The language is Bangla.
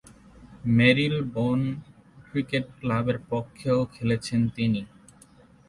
মেরিলেবোন ক্রিকেট ক্লাবের পক্ষেও খেলেছিলেন তিনি।